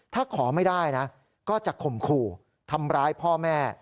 ถ้าขอไม่ได้นะก็จะข่มขู่ทำร้ายพ่อแม่